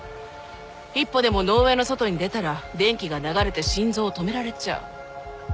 一歩でも農園の外に出たら電気が流れて心臓を止められちゃう。